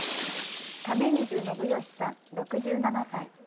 為水信吉さん、６７歳。